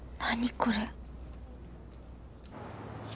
これ。